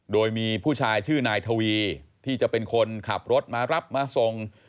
โดยมีผู้ชายชื่อนายทวีที่จะเป็นคนขับรถมารับมาส่ง